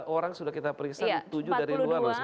empat puluh dua orang sudah kita periksa tujuh dari luar lho